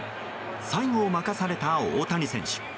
最後を任された大谷選手。